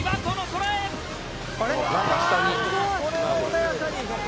これは穏やかに。